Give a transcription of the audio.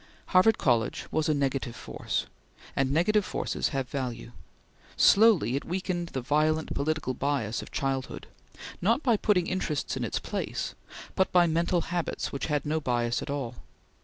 Harvard College was a negative force, and negative forces have value. Slowly it weakened the violent political bias of childhood, not by putting interests in its place, but by mental habits which had no bias at all.